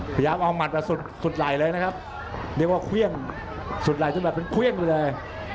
พยายามเอามันไปสุดไหลเลยนะครับเรียกว่าเควียงสุดไหลจนแบบเป็นเควียงดูเลย